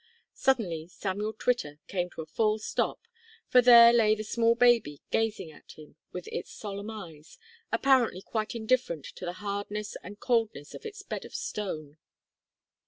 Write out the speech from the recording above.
Suddenly Samuel Twitter came to a full stop, for there lay the small baby gazing at him with its solemn eyes, apparently quite indifferent to the hardness and coldness of its bed of stone.